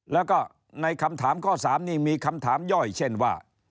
แล้วก็ในคำถามข้อ๓นี่มีคำถามย่อยเช่นว่า